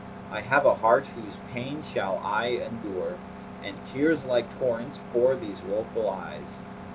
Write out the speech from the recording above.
I have a heart, whose pain shall aye endure, * And tears like torrents pour these woeful eyes.